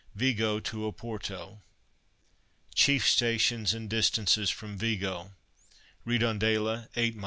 VIGO TO OPORTO. Chief stations and distances from Vigo:—Redondela (8m.)